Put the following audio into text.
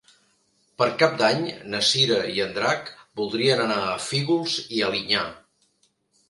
Per Cap d'Any na Cira i en Drac voldrien anar a Fígols i Alinyà.